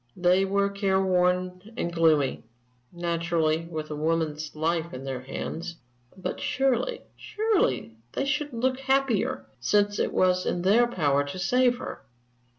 They were care worn and gloomy naturally, with a woman's life in their hands; but surely surely they should look happier, since it was in their power to save her?